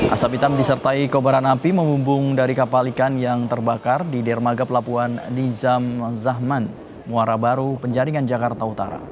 asap hitam disertai kobaran api memumbung dari kapal ikan yang terbakar di dermaga pelabuhan nizam zahman muara baru penjaringan jakarta utara